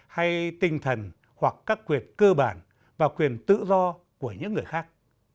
hay tinh thần hoặc các quyền cơ bản và quyền tự do của những người khác